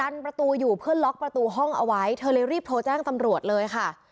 ประตูอยู่เพื่อล็อกประตูห้องเอาไว้เธอเลยรีบโทรแจ้งตำรวจเลยค่ะ